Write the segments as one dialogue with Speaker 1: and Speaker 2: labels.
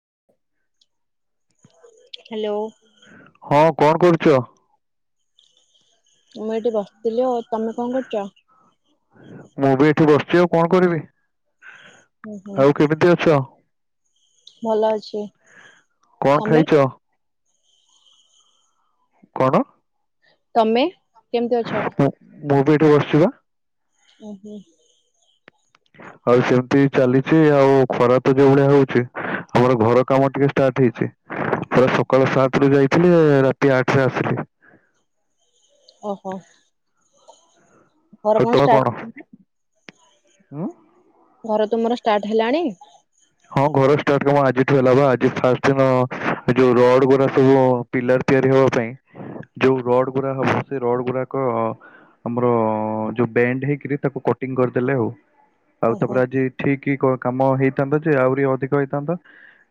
Speaker 1: [inaudible]
Speaker 2: Hello.
Speaker 1: ହଁ କଣ କରୁଛ?
Speaker 2: ମୁଁ ଏଇଠି ବସିଥିଲି ଆଉ ତମେ କଣ କରୁଛ?
Speaker 1: ମୁଁ ବି ଏଇଠି ବସିଛି ଆଉ କଣ କରିବି
Speaker 2: ହୁଁ ହୁଁ
Speaker 1: ଆଉ କେମିତି ଅଛ?
Speaker 2: ଭଲ ଅଛି
Speaker 1: କଣ
Speaker 2: ତମେ?
Speaker 1: ଖାଇଛ? କଣ?
Speaker 2: ତମେ କେମିତି ଅଛ?
Speaker 1: ମୁ ବି ଏଠି ବସିଛି ବା।
Speaker 2: ଓହୋ।
Speaker 1: ଆଉ ସେମିତି ଚାଲିଛି ଆଉ ଖରା ତ ଯୋଉ ଭଳିଆ ହଉଛି। ଆମର ଘର କାମ ଟିକେ ଷ୍ଟାର୍ଟ ହେଇଛି। ପ୍ରାୟ ସକାଳ ସାତରୁ ଯାଇଥିଲି ରାତି ଆଠରେ ଆସିଲି।
Speaker 2: ଓହୋ। ଘର କଣ ଷ୍ଟାଟ୍ ହେଲା।
Speaker 1: ହୁଁ।
Speaker 2: ଘର ତୁମର ଷ୍ଟାର୍ଟ ହେଲାଣି?
Speaker 1: ହଁ ଘର ଷ୍ଟାଟ୍ କାମ ଆଜି ଠୁ ହେଲା ବା ଆଜି ଫ୍ରାଷ୍ଟ ଦିନ ଯୋଉ ରଡ୍ ଗୁଡା ସବୁ ପିଲର ତିଆରି ହବା ପାଇଁ। ଯୋଉ ରଡ ଗୁରା ହବ ସେଇ ରଡ ଗୁରାକ ଆମର ଯୋଉ ବ୍ୟାଣ୍ଡ ହେଇକିରି ତାକୁ କ କଟିଂ କରିଦେଲେ ଆଉ ଆଉ
Speaker 2: ଓହୋ
Speaker 1: ତାପରେ ଆଜି ଠିକ୍ କାମ ହେଇଥାନ୍ତା ଯେ ଆହୁରି ଅଧିକ ହେଇଥାନ୍ତା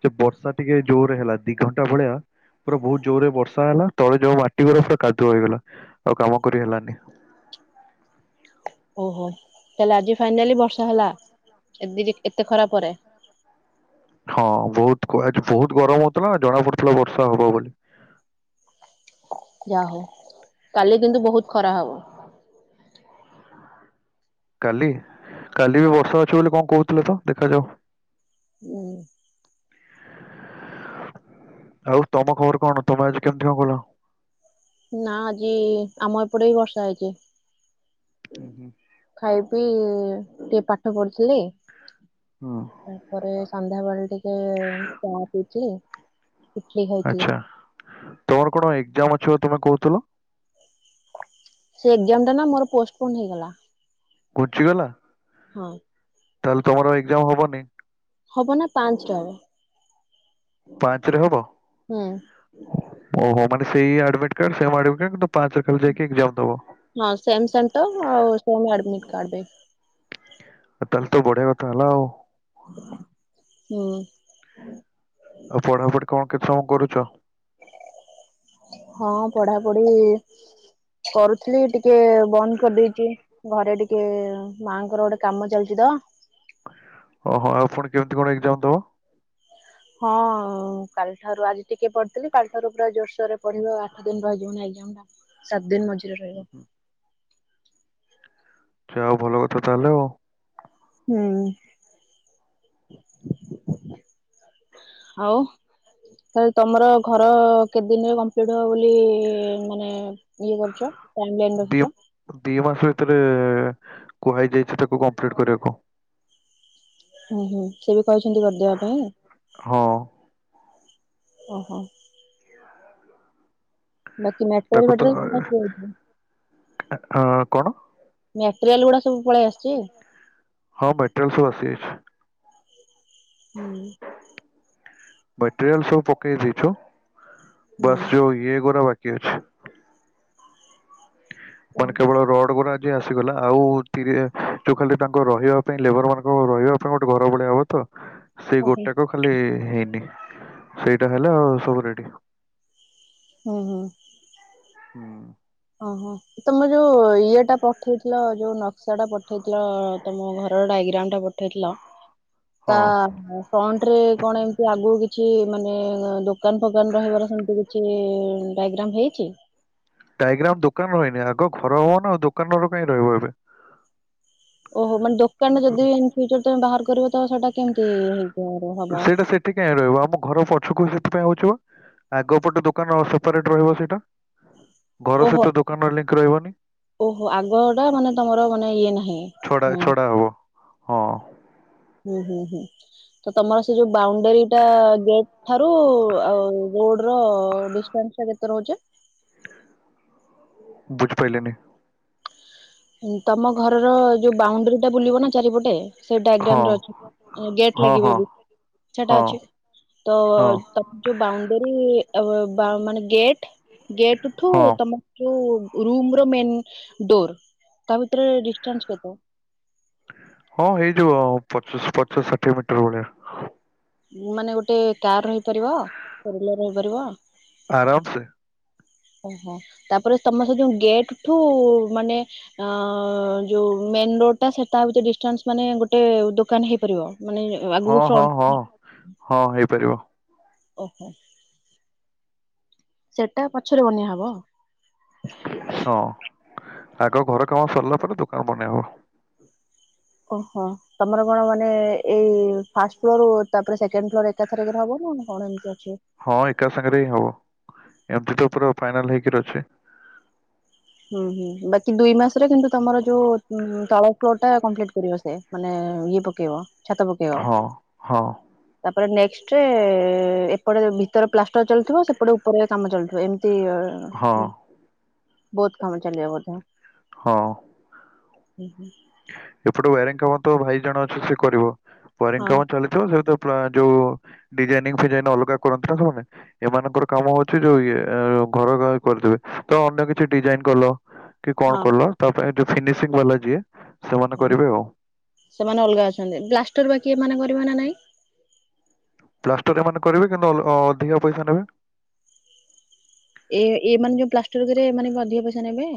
Speaker 1: ଯେ ବର୍ଷା ଟିକେ ଜୋରେ ହେଲା ଦି ଘଣ୍ଟା ଭଳିଆ। ପୁରା ବହୁତ ଜୋରେ ବର୍ଷା ହେଲା ତଳେ ଯୋଉ ମାଟି ଗୁରା ପୁରା କାଦୁଅ ହେଇଗଲା ଆଉ କାମ କରି ହେଲାନି। [inaudible]
Speaker 2: ଓହୋ ତାହଲେ ଆଜି ଫାଇନାଲି ବର୍ଷା ହେଲା। ଏ ଦିି ଏତେ ଖରା ପରେ।
Speaker 1: ହଁ ବହୁତ [unintelligible] ବହୁତ ଗରମ ହଉଥିଲା ଜଣା ପଡୁଥିଲା ବର୍ଷା ହବ ବୋଲି। [inaudible]
Speaker 2: ଯାହଉ କାଲି କିନ୍ତୁ ବହୁତ ଖରା ହବ।
Speaker 1: କାଲି କାଲି ବି ବର୍ଷା ଅଛି ବୋଲି କଣ କହୁଥିଲେ ତ ଦେଖାଯାଉ।
Speaker 2: ହୁଁ।
Speaker 1: ଆଉ ତମ ଖବର କଣ ତମେ ଆଜି କେମିତି କଣ କଲ?
Speaker 2: ନା ଆଜି ଆମ ଏପଟ ବି ବର୍ଷା ହେଇଚି।
Speaker 1: ହୁଁ ହୁଁ
Speaker 2: ଖାଇ ପିଇ ଟିକେ ପାଠ ପଢୁଥିଲି।
Speaker 1: ହୁଁ।
Speaker 2: ତାପରେ ସନ୍ଧ୍ୟାବେଳେ ଟିକେ ଚାହା ପିଉଥିଲି।
Speaker 1: ଆଛା ତମର କଣ ଏକଜାମ ଅଛି ତମେ କହୁଥୁଲ।
Speaker 2: ସେ ଏକ୍ସାମ୍ ଟା ନା ମୋର ପୋଷ୍ଟପଣ୍ଡ ହେଇଗଲା।
Speaker 1: ଘୁଚିଗଲା।
Speaker 2: ହଁ।
Speaker 1: ତାହଲେ ତମର ଏକଜାମ୍ ହବନି।
Speaker 2: ହବ ନା ପାଞ୍ଚ ରେ ହବ।
Speaker 1: ପାଞ୍ଚରେ ହବ
Speaker 2: ହୁଁ
Speaker 1: ଓହୋ ମାନେ ସେଇ admit card same admit card କିନ୍ତୁ ପାଞ୍ଚରେ ଖାଲି ଯାଇକି ଏକ୍ଜାମ ଦବ
Speaker 2: ହଁ ସେମ୍ ସେଣ୍ଟର ଆଉ ସେମ ଆଡମିଟ୍ କାର୍ଡ ବି।
Speaker 1: ଆଉ ତାହାଲେ ତ ବଢିଆ କଥା ହେଲା ଆଉ।
Speaker 2: ହୁଁ।
Speaker 1: ଆଉ ପଢାପୁଢି କଣ କେତେ ସମୟ କରୁଚ?
Speaker 2: ହଁ ପଢାପୁଢି କରୁଥିଲି ଟି କେ ବନ୍ଦ କରିଦେଇଚି ଘରେ ଟିକେ ମା ଙ୍କର ଗୋଟେ କାମ ଚାଲିଚି ତ।
Speaker 1: ଓହୋ ଆଉ ଫୁଣି କେମିତି କଣ ଏଗଜାମ୍ ଦବ?
Speaker 2: ହଁ କାଲି ଠାରୁ ଆଜି ଟିକେ ପଢିଥିଲି କାଲିଠାରୁ ପୁରା ଜୋରସୋର ରେ ପଢିବା ଆଠ ଦିନ ରହିଯିବ ନା ଏ ଜାମ୍ ଟା ସାତ ଦିନ ମଝିରେ ରହିବ।
Speaker 1: ଆଚ୍ଛା ଆଉ ଭଲ କଥା ତାହାଲେ ଆଉ।
Speaker 2: ହୁଁ।
Speaker 1: [inaudible]
Speaker 2: ଆଉ ତାହାଲେ ତମର ଘର କେତେ ଦିନ ରେ କମ୍ପଲିଟ୍ ହବ ବୋଲି ମାନେ ଇଏ କରିଚ ଟାଇମ ଲାଇନ
Speaker 1: ଦି
Speaker 2: ରଖିଚ?
Speaker 1: ଦି ମାସ ଭିତରେ କୁହାଯାଇଛି ତାକୁ କମ୍ପ୍ଲିଟ୍ କରିବାକୁ।
Speaker 2: ହୁଁ ହୁଁ ସେ ବି କହିଛନ୍ତି କରିଦେବା ପାଇଁ।
Speaker 1: ହଁ
Speaker 2: ଓ ହୋ। ବାକି
Speaker 1: ତାକୁ ତ
Speaker 2: ମ୍ୟାଟେରିଆଲ ଫ୍ୟାଟରିଆଲ
Speaker 1: ହଁ, କଣ
Speaker 2: [unintelligible] ଟ୍ରିଆଲ ଗୁଡା ସବୁ ପଳେଇ ଆସିଚି।
Speaker 1: ହଁ ମେଟେରିଆଲ ସବୁ ଆସିଯାଇଛି।
Speaker 2: ହୁଁ।
Speaker 1: ମେଟେରିୟାଲ ସବୁ ପକେଇ ଦେଇଛୁ
Speaker 2: ହୁଁ
Speaker 1: ବାସ ଯୋଉ ଇଏ ଗୁରା ବା କି ଅଛି। ମାନେ
Speaker 2: କଣ
Speaker 1: କେବଳ ରଡ଼୍ ଗୁରା ଯିଏ ଆସିଗଲା ଆଉ ତିରି ଖାଲି ତାଙ୍କ ରହିବା ପାଇଁ ଲେବରମାନାନଙ୍କ ରହିବା ପାଇଁ ଗୋଟେ ଘର ଭଳିଆ ହେବ ତ ସେଇ
Speaker 2: ଓହୋ
Speaker 1: ଗୋଟା କ ଖାଲି ହେଇନି ସେଇଟା ହେଲେ ଆଉ ସବୁ ରେଡି।
Speaker 2: ହୁଁ ହୁଁ।
Speaker 1: ହୁଁ।
Speaker 2: ଓହୋ ତମେ ଯୋଉ ଇଏ ଟା ପଠେଇଥିଲ ଯୋଉ ନକ୍ସା ଟା ପଠେଇଥିଲ ତମ ଘର ଡାଇ ଡ଼ାଏଗ୍ରାମ ପଠେଇଥିଲ
Speaker 1: ହଁ
Speaker 2: ତା ଫ୍ରଣ୍ଟରେ କଣ ଏମତି ଆଗକୁ କିଛି କିଛି ମାନେ ଦୋକାନ ଫୋକାନ ରହିବାର ସେମତି କିଛି ଡ଼ାଏଗ୍ରାମ ହେଇଛି।
Speaker 1: ଡ଼ାଏଗ୍ରାମ୍ ଦୋକାନ ରହିନି ଆଗ ଘର ହବ ନା ଦୋକାନର କାହିଁକି ରହିବ ଏବେ
Speaker 2: ଓହୋ ମାନେ ଦୋକାନା ଯଦି ଇନ୍ ଫୁଚର ତମେ ବାହାର କରିବ ତ ସେଟା। କେମିତି ହେଇପାରିବ ହବ?
Speaker 1: ସେଇଟା ସେଠି କାହିଁ ରହିବ ଆମ ଘର ପଛକୁ ସେ ସେଥି ପାଇଁ ହଉଚି ପା ଆଗ ପଟେ ଦୋକାନ ସେପାରେଟ ରହିବ ସେଇଟା। ଘର
Speaker 2: ଓହୋ
Speaker 1: ସହିତ ଦୋକାନର ଲିଙ୍କ ରହିବନି।
Speaker 2: ଓହୋ ଆଗ ଟା ମାନେ ତମର ମାନେ ଇଏ ନାହିଁ
Speaker 1: ଛଡା
Speaker 2: ହୁଁ।
Speaker 1: ଛଡା ହବ। ହଁ।
Speaker 2: ହୁଁ ହୁଁ ହୁଁ ତ ତମର ସେ ଯୋଉ। ବାଉଣ୍ଡେରୀ ଟା ଗେଟ ଠାରୁ ଆଉ ରୋଡ଼। ଘର ଡିଷ୍ଟାନ୍ସ ଟା କେତେ ରହୁଛି?
Speaker 1: ବୁଝି ପାଇଲିନି।
Speaker 2: ତମ ଘରର ଯୋଉ ବାଉଣ୍ଡରୀ ଟା ବୁଲିବ ନା ଚାରିପଟେ ସେ
Speaker 1: ହଁ
Speaker 2: ଡାଈଗ୍ରାମରେ ଅଛି ଗେଟ୍
Speaker 1: ହଁ
Speaker 2: ଲାଗିବ
Speaker 1: ହଁ
Speaker 2: ବି। ସେଟା
Speaker 1: ହଁ
Speaker 2: ଅଛି ତ
Speaker 1: ହଁ
Speaker 2: ତମ ଯୋଉ ବାଉଣ୍ଡେରୀ ଆ ବା ମାନେ ଗେଟ ଗେଟଠୁ
Speaker 1: ହଁ।
Speaker 2: ତମର ଯୋଉ। ରୁମ୍ ର ମେନ ଡୋର ତା ଭିତରେ ଡିଷ୍ଟାନ୍ସ୍ କେତେ?
Speaker 1: ହଁ ହେଇଯିବ ପଚାସେ ପଚାଶ ଷାଠିଏ ମିଟର ଭଳିଆ।
Speaker 2: ମାନେ ଗୋଟେ କାର୍ ରହିପାରିବ ରିଲେ ରହିପାରିବ।
Speaker 1: ଆରାମ ସେ।
Speaker 2: ଓହୋ ତାପରେ ତମ ସେ ଯୋଉ ଗେଟଠୁ ମାନେ ଅ ଯୋଉ ମେନ୍ ରୋଡ଼୍ ଟା ସେଟା ହଉଚି ଡିଷ୍ଟାନ୍ସ ମାନେ ଗୋଟେ ଦୋକାନ ହେଇପାରିବ। ମାନେ
Speaker 1: ହଁ
Speaker 2: ଆଗକୁ
Speaker 1: ହଁ ହଁ
Speaker 2: ଫ୍ରନ୍ଟ
Speaker 1: ହଁ ହେଇପାରିବ
Speaker 2: ଓହୋ। ସେଟା ପଛରେ ବନିଆ ହବ।
Speaker 1: ହଁ ଆଗ ଘର କାମ ସରିଲା ପରେ ଦୋକାନ ବନେଇ ହବ।
Speaker 2: ଓହୋ ତମର କଣ ମାନେ ଏଇ ଫାଷ୍ଟ ଫ୍ଲୋର ତାପରେ ସେକେଣ୍ଡ ଫ୍ଲୋର ଏକା ଥରକରେ ହବ ନା? କଣ ଏମିତିଆ
Speaker 1: ହଁ ଏକା ସାଙ୍ଗରେ ହିଁ ହବ। ଏମିତି ତ ପୁରା ଫାଇନାଲ ହେଇକି ଅଛେ।
Speaker 2: ହୁଁ ହୁଁ ବାକି ଦୁଇ ମାସରେ କିନ୍ତୁ, ତମର ଯୋଉ ତଳ ଫ୍ଲୋ ଟା କମ୍ପ୍ଲିଟ କରିବ ସେ। ମାନେ ଇଏ ପକେଇବ।
Speaker 1: ହଁ ହଁ।
Speaker 2: ପରେ ନେକ୍ଟରେ, ଏପଟେ ଭିତରେ ପ୍ଲାଷ୍ଟର ଚାଲୁଥିବ। ସେପଟେ ଉପର କାମ ଚାଲୁଥିବ ଏମତି। ତିଅର।
Speaker 1: ହଁ
Speaker 2: ବହୁତ କାମ ଚାଲିବ ବୋଧେ?
Speaker 1: ହଁ।
Speaker 2: ହୁଁ ହୁଁ।
Speaker 1: ଏପଟେ ୱାରିଙ୍ଗ କାମ ତ ଭାଇ ଜଣ ଅଛି ସେ କରିବ। ୱାରିଙ୍ଗ
Speaker 2: ହଁ
Speaker 1: କାମ ଚାଲିଥିବ ସେ ତ ପା ଯୋଉ ଡିଜାଇନିଂ ଫିଜାଇନ ଅଲଗା କରନ୍ତି ନା। ସେମାନେ ଏମାନଙ୍କର କାମ ହଉଛି ଯୋଉ ଇଏ ଘର କରିଦେବେ ତ ଅନ୍ୟ କିଛି ଡିଜାଇନ କଲ। କି କଣ
Speaker 2: ହଁ
Speaker 1: କଲ ତା ପାଇଁ ଯେ ଫିନିସିଂ ବାଲା ଯିଏ ସେମାନେ କରିବେ ଆଉ
Speaker 2: ସେମାନେ ଅଲଗା ଅଛନ୍ତି। ପ୍ଲୀଷ୍ଟର ବାକି ଏମାନେ ସି ବନା ନାହିଁ?
Speaker 1: ପ୍ଲାଷ୍ଟର ଏମାନେ କରିବେ କିନ୍ତୁ ଅ ଅଧିକା ପଇସା ନେବେ।
Speaker 2: ଏ ଏ ମାନେ ଯୋଉ ପ୍ଲାଷ୍ଟରରେ କରିବେ, ଏମାନେ କଣ ଅଧିକ ପଇସା ନେବେ?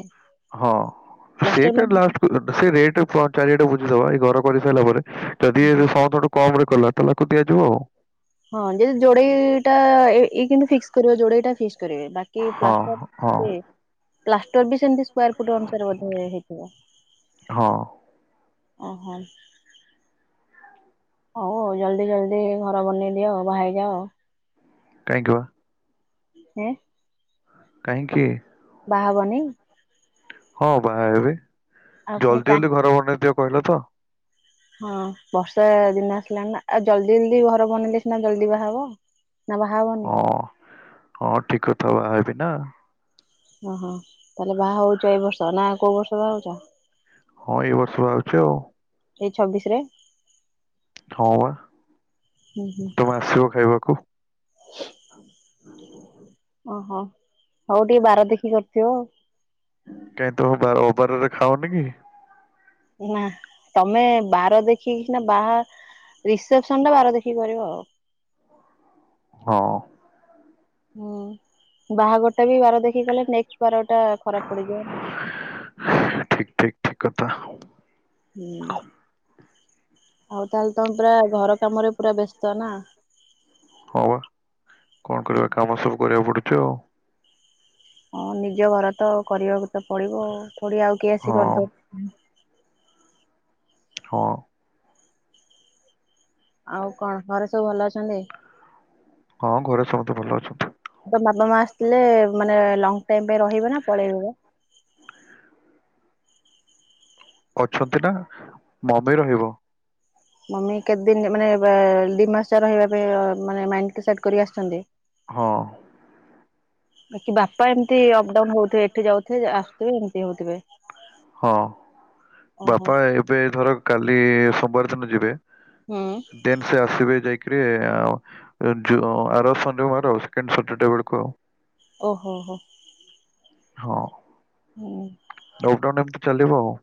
Speaker 1: ହଁ ସେ
Speaker 2: ବ୍ଲାଷ୍ଟର
Speaker 1: ଟା ଲାଷ୍ଟ କୁ ଦେବେ। ସେ ରେଟ ଚାରିଆଟା ବୁଝିଦବା। ଏଇ ଘର କରିସାରିଲା ପରେ ଯଦି ଏ [unintelligible] କମ ରେ କଲା ତାହେଲେ ତାକୁ ଦିଆଯିବ ଆଉ।
Speaker 2: ହଁ ଯଡି ଯୋଡେଇ ଟା ଏ କିନ୍ତୁ ଫିକ୍ସ କରଵ। ଯୋଡେଇଟା ଫିକ୍ସ ରେ ବାକି
Speaker 1: ହଁ
Speaker 2: ପ୍ଲାଷ୍ଟର
Speaker 1: ହଁ
Speaker 2: ବେ ପ୍ଲାଷ୍ଟର୍ ବି ସେମିତି ସ୍କ୍ୱାର ଫୁଟ ଅନୁସରେ ବୋଧ ହେଇଥିବ।
Speaker 1: ହଁ
Speaker 2: ଅ ହଁ। ହଉ ଆଉ ଜଲଦି ଜଲଦି ଘର ବନେଇ ଦିଅ ବାହାହେଇ ଯାଅ।
Speaker 1: କାଇଁ କ?
Speaker 2: ହେଁ?
Speaker 1: କହିଁକି?
Speaker 2: ବାହା ହବନି?
Speaker 1: ହଁ ବାହା ହେବି,
Speaker 2: ଆଉ ପୁଣି
Speaker 1: ଜଲ୍ଦି
Speaker 2: କାହିଁ
Speaker 1: ଜଲଦି ଘର ବନେଇ ଦିିଅ କହିଲ ତ।
Speaker 2: ହଁ ବର୍ଷା ଦିନ ଆସିଲାଣି ନା। ଆଉ ଜଲଦି ଜଲଦି ଘର ବନେଇଲେ ସିନା ଜଲଦି ବାହା ହବ। ନା ବାହା ହବନି
Speaker 1: ହଁ, ହଁ ଠିକ କଥା ବା ହେବି ନା।
Speaker 2: ଓହୋ ତାହେଲେ ବାହା ହଉଛ ଏ ବର୍ଷ ନା କୋଉ ବର୍ଷ ବାହା ହଉଛ?
Speaker 1: ହଁ ଏଇ ବର୍ଷ ବା ହଉଚି ଆଉ।
Speaker 2: ଏଇ ଛବିଶ ରେ?
Speaker 1: ହଁ ବା।
Speaker 2: ହୁଁ ହୁଁ
Speaker 1: ତମେ ଆସିବ ଖାଇବାକୁ।
Speaker 2: ଓହୋ, ହଉ ଟିକେ ବାର ଦେଖି କରିୁଥିବ ଆଉ।
Speaker 1: କାହିଁକି ତ ବାର ଓବାରରେ ଖାଉନି କି?
Speaker 2: ନା ତମେ ବାର ଦେଖି ଖିନା ବାହା ରିସେପସନ ଟା ବାର ଦେଖିକି କରିବ ଆଉ।
Speaker 1: [inaudible] ହଁ।
Speaker 2: ହୁଁ ବାହାଘରଟେ ବାର ଦେଖିକି ଗଲେ ନ ବାର ଟା ଖରାପ ପଡିଯିବ।
Speaker 1: ଠିକ୍ କଥା।
Speaker 2: ହୁଁ ଆଉ ତାହେଲେ ତମ ପୁରା ଘର କାମରେ ପୁରା ବ୍ୟସ୍ତ ନା?
Speaker 1: ହଁ ବା କଣ କରିବା କାମ ସବୁ କରିବାକୁ ପଡୁଛି ଆଉ।
Speaker 2: ହଁ ନିଜ ଘର ତ କରିବାକୁ ତ ପଡିବ ଥଡି ଆଉ କିହି
Speaker 1: ହଁ
Speaker 2: ଆସି କରିଦବ।
Speaker 1: ହଁ।
Speaker 2: ଆଉ କଣ ଘରେ ସବୁ ଭଲ ଅଛନ୍ତି?
Speaker 1: ହଁ ଘରେ ସମସ୍ତେ ଭଲ ଅଛନ୍ତି।
Speaker 2: ତ ବାପା ମା ଆସିଥିଲେ, ମାନେ ଲଙ୍ଗ ଟାଇମ ପାଇଁ ରହିବ ନା ପଳେଇ
Speaker 1: [inaudible] ଅଛନ୍ତି ନା ମମି ରହିବ।
Speaker 2: ମମି କେତେ ଦିନ ମାନେ ର-ଦି ମାସେ ରହିବା ପାଇଁ, ମାନେ ମାଇଣ୍ଡ କୁ ସେଟ କରି ଆସିଛନ୍ତି।
Speaker 1: ହଁ।
Speaker 2: ବା କିି ବାପା ଏମିତି ଅପ ଡାଉନ ହଉଥିବେ ଏଠି ଯାଉଥିବେ ଆସୁଥିବେ ଏମିତି ହଉଥିବେ।
Speaker 1: ହଁ
Speaker 2: ଓହୋ
Speaker 1: ବାପା ଏବେ ଧର କାଲି ସୋମବାର ଦିନ ଯିବେ
Speaker 2: ହୁଁ
Speaker 1: ଦେନ୍ ସେ ଆଶିବେ ଯାଇକି ରେ ଆ-ଯୁ, ଆର ଶନିବାର ଆଉ ସେଖେଣ୍ଡ ସଟରଡେ ବେଳକୁ।
Speaker 2: ଓ ହୋ ହୋ।
Speaker 1: ହଁ।
Speaker 2: ହୁଁ।
Speaker 1: ଲକଡାଉନ ଏମିତି ଚାଲିବ ଆଉ।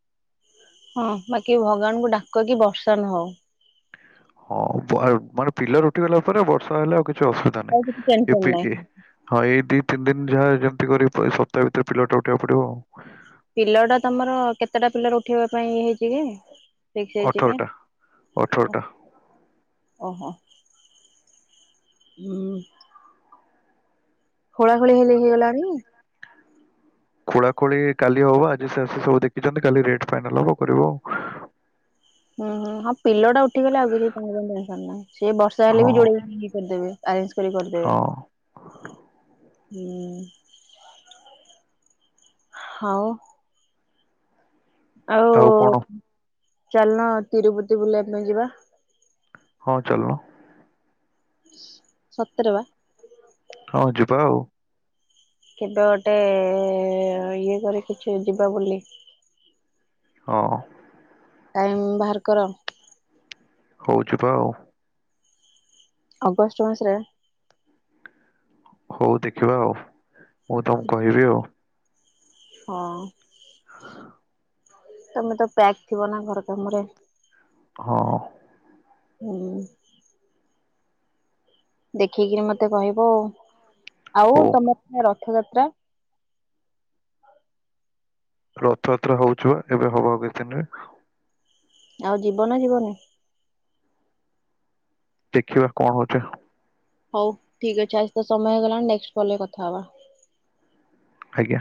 Speaker 2: ହଁ ବାକି ଭଗବାନଙ୍କୁ ଡାକକି ବର୍ଷା, ନ ହଉ।
Speaker 1: ହଁ ମାନେ ମାନେ ପିଲର୍ ଉଠିଗଲା ପରେ ବର୍ଷା ହେଲେ ଆଉ କି ଛି ଅସୁବିଧା
Speaker 2: ଆଉ କିଛି
Speaker 1: ନାହିଁ ଏ
Speaker 2: ଟେନସନ
Speaker 1: ପି ଏ
Speaker 2: ନାହିଁ
Speaker 1: ହଁ ଏଇ ଦି ତିନି ଦିନ ଯାହା ଯେମତି କରି ଏଇ ସପ୍ତାହ ଭିତରେ ପିଲର ଟା ଉଠାଇବାକୁ ପଡ଼ିବ ଆଉ।
Speaker 2: ପିଲର୍ ଟା ତମର କେତେଟା ପିଲର ଉଠେଇବା ପାଇଁ ଇଏ ହେଇଛି କି? ଠିକସେ ହେଇଛିି
Speaker 1: ଅଠରଟା
Speaker 2: କି?
Speaker 1: ଅଠରଟା
Speaker 2: ଓହୋ ହୁଁ। ଖୋଳାଖୋଳି ହେଲେ ହେଇଗଲାଣି?
Speaker 1: ଖୋଳାଖୋଳି କାଲି ହବ। ଆଜି ସେ ଆସି ସବୁ ଦେଖିଛନ୍ତି, କାଲି ରେଟ ଫାଇନାଲ ହବ କରିବ ଆଉ। ହଁ
Speaker 2: ହୁଁ ହୁଁ ହଁ ପିଲର୍ ଟା ଉଠିଗଲେ ଆଉ କିଛି ତାଙ୍କ ପାଇଁ ଟେନସନ ନାହିଁ। ସିଏ ବର୍ଷା ହେଲେ ବି
Speaker 1: ଆଉ
Speaker 2: ଯୋଡେଇକିରି ଇଏ କରିଦେବେ, ଆରେଞ୍ଜ କରି କରିଦେବେ।
Speaker 1: ହଁ ହଁ
Speaker 2: ହୁଁ ହଉ। ଆଉ ଚାଲୁନ ତିରୁପତି ବୁଲିବା ପାଇଁ ଯିବା।
Speaker 1: ହଁ ଚାଲୁନ।
Speaker 2: ସତେରେ ବା।
Speaker 1: ହଁ ଯିବା ଆଉ।
Speaker 2: କେବେ ଗୋଟେ ଏ ଇଏ କରି କିଛି ଯିବା ବୁଲି।
Speaker 1: ହଁ।
Speaker 2: ଟାଇମ୍ ବାହାର କର।
Speaker 1: ହଉ ଯିବା ଆଉ।
Speaker 2: ଅଗଷ୍ଟ ମାସରେ
Speaker 1: ହଉ ଦେଖିବା ଆଉ ମୁଁ ତମକୁ କହିବି ଆଉ।
Speaker 2: ହଁ। ତମେ ତ ପ୍ୟାକ୍ ଥିବ ନା ଘର କାମରେ।
Speaker 1: ହଁ।
Speaker 2: ହୁଁ। ଦେଖିକିରି ମତେ କହିବ ଆଉ। ଆଉ
Speaker 1: ହଉ
Speaker 2: ତମର ସେ ରଥଯାତ୍ରା
Speaker 1: ରଥଯାତ୍ରା ହଉଛି ବା ଏବେ ହବ ଆଉ କିଛି ଦିନରେ।
Speaker 2: ଆଉ ଯିବ ନା ଯିବନି?
Speaker 1: ଦେଖିବା କଣ ହଉଛି ଆଉ।
Speaker 2: ହଉ ଠିକ ଅଛି, ଆଜି ତ ସମୟ ହେଇଗଲାଣି ନେକ୍ସଟ କଲ୍ ରେ କଥା ହବା।
Speaker 1: ଆଜ୍ଞା।